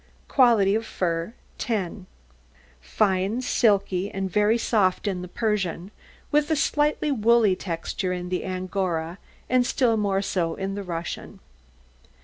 QUALITY OF FUR 10 Fine, silky, and very soft in the Persian, with a slightly woolly texture in the Angora, and still more so in the Russian.